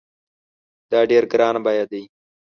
دا ډېر ګران بیه دی